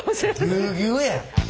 ぎゅうぎゅうや。